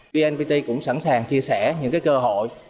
vnpt cũng sẵn sàng chia sẻ những cơ hội